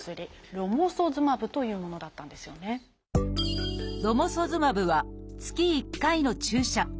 「ロモソズマブ」は月１回の注射。